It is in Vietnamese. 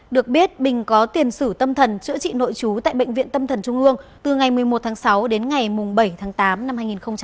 được biết bình có tiền sử tâm thần chữa trị nội trú tại bệnh viện tâm thần trung ương từ ngày một mươi một tháng sáu đến ngày bảy tháng tám năm hai nghìn một mươi chín